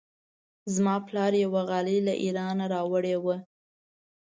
زما پلار یوه غالۍ له ایران راوړې وه.